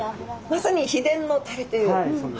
まさに秘伝のタレという。